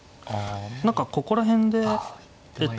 何かここら辺でえっと